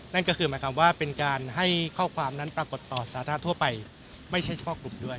นั่นก็คือหมายความว่าเป็นการให้ข้อความนั้นปรากฏต่อสาธารณะทั่วไปไม่ใช่เฉพาะกลุ่มด้วย